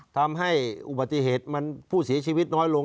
ทำให้อุบัติเหตุมันผู้เสียชีวิตน้อยลง